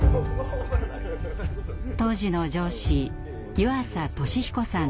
当時の上司湯浅利彦さんです。